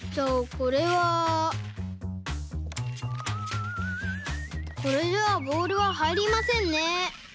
これじゃボールははいりませんね。